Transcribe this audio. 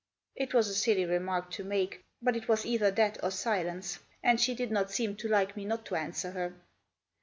It was a silly remark to make. But it was either that or silence. And she did not seem to like me not to answer her.